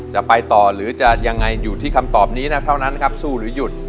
จะไปต่อหรือจะยังไงอยู่ที่คำตอบนี้นะเท่านั้นครับสู้หรือหยุด